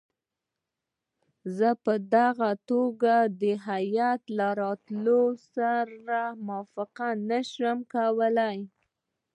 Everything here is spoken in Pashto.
زه په دغه توګه د هیات له راتلو سره موافقه نه شم کولای.